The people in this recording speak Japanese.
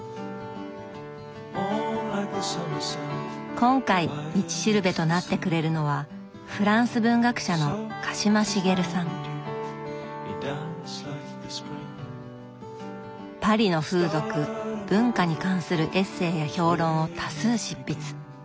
今回道しるべとなってくれるのはパリの風俗文化に関するエッセーや評論を多数執筆。